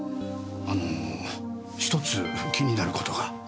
あの１つ気になる事が。は？